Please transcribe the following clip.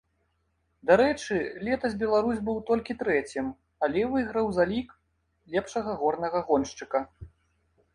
Дарэчы, летась беларус быў толькі трэцім, але выйграў залік лепшага горнага гоншчыка.